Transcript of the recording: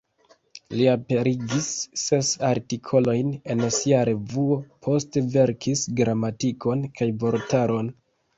Li aperigis ses artikolojn en sia revuo; poste verkis gramatikon kaj vortaron.